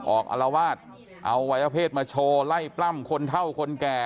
อารวาสเอาวัยวเพศมาโชว์ไล่ปล้ำคนเท่าคนแก่